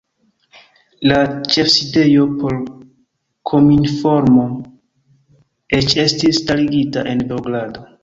La ĉefsidejo por Cominform eĉ estis starigita en Beogrado.